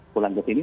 pulang ke sini